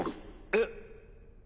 えっ。